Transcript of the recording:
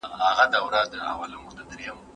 ولي د سایبري امنیت حقونه نوي دي؟